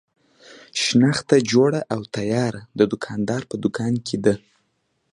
شنخته جوړه او تیاره د دوکاندار په دوکان کې ده.